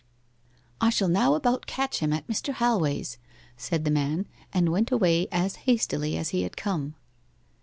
'I shall now about catch him at Mr. Halway's,' said the man, and went away as hastily as he had come.